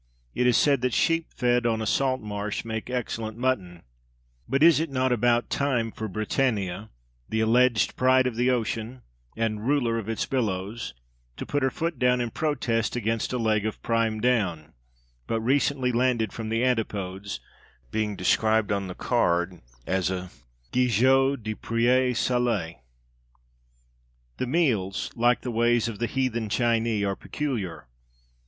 It is said that sheep fed on a salt marsh make excellent mutton; but is it not about time for Britannia, the alleged pride of the ocean, and ruler of its billows, to put her foot down and protest against a leg of "prime Down" but recently landed from the Antipodes being described on the card as a Gigot de pré salé? The meals, like the ways, of the "Heathen Chinee" are peculiar.